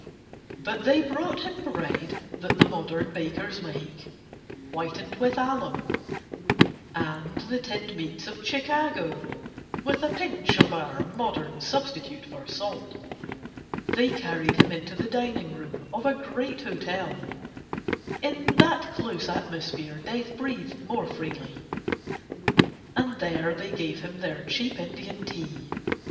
But they brought him bread that the modern bakers make, whitened with alum, and the tinned meats of Chicago, with a pinch of our modern substitute for salt. They carried him into the dining room of a great hotel (in that close atmosphere Death breathed more freely), and there they gave him their cheap Indian tea.